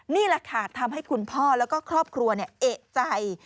นี่แหละค่ะทำให้คุณพ่อแล้วก็ครอบครัวเอกใจ